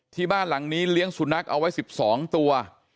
บ้านหลังนี้เลี้ยงสุนัขเอาไว้๑๒ตัว